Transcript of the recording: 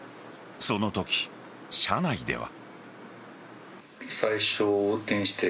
そのとき、車内では。